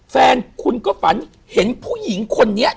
แฟนคุณก็ฝันเห็นผู้หญิงคนนี้